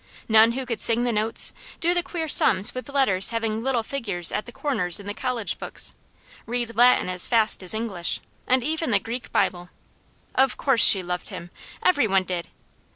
None who could sing the notes, do the queer sums with letters having little figures at the corners in the college books, read Latin as fast as English, and even the Greek Bible. Of course she loved him! Every one did!